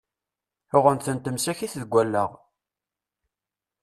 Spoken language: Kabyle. Uɣen-tent msakit deg allaɣ!